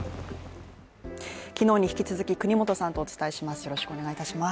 昨日に引き続き國本さんとお伝えします。